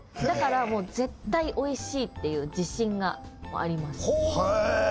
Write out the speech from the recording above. だから、絶対おいしいっていう自信があります。